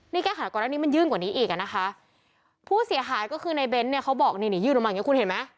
นี่แก้ไขก่อนหน้านี้มันยิ่งกว่านี้อีกอ่ะนะคะผู้เสียหายก็คือในเบ้นเนี่ยเขาบอกนี่นี่ยื่นออกมาอย่างเงี้คุณเห็นไหม